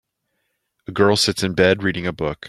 A girl sits in bed reading a book.